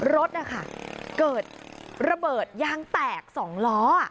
รถนะคะเกิดระเบิดยางแตก๒ล้อ